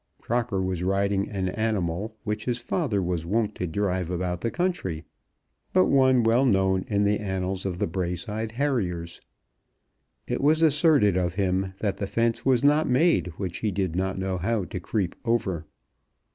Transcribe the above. Crocker was riding an animal which his father was wont to drive about the country, but one well known in the annals of the Braeside Harriers. It was asserted of him that the fence was not made which he did not know how to creep over.